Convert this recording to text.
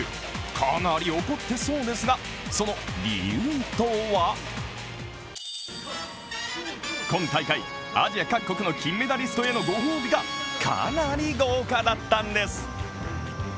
かなり怒ってそうですがその理由とは今大会、アジア各国の金メダリストへのご褒美がかなり豪華だったんです。